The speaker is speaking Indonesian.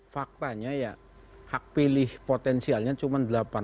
faktanya ya hak pilih potensialnya cuma delapan ratus enam belas